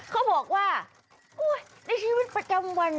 เขาบอกว่าในชีวิตประจำวัน